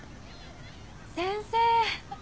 先生。